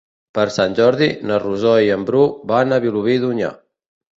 Per Sant Jordi na Rosó i en Bru van a Vilobí d'Onyar.